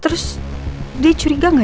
terima kasih sudah nonton